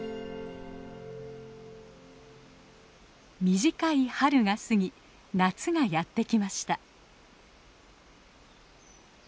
短い春が過ぎ夏がやってきました。